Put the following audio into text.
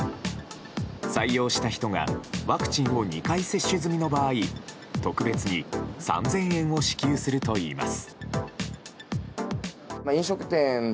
採用した人がワクチンを２回接種済みの場合特別に３０００円を支給するといいます。